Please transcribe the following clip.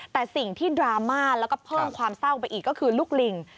แต่สิ่งที่ดราม่าแล้วก็เพิ่มความเศร้าไปอีกก็คือลูกลิง